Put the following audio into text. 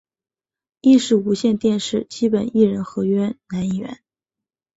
亦是无线电视基本艺人合约男艺员。